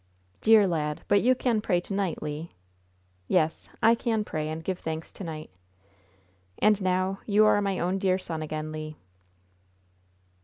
"Dear lad! But you can pray to night, Le?" "Yes; I can pray and give thanks to night." "And now you are my own dear son again, Le."